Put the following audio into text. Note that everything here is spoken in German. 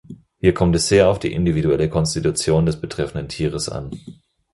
Hier kommt es sehr auf die individuelle Konstitution des betreffenden Tieres an.